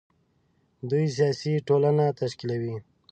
دوی سیاسي ټولنه تشکیلوي.